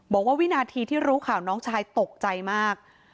วินาทีที่รู้ข่าวน้องชายตกใจมาก